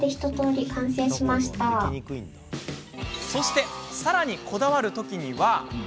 そして、さらにこだわる時は。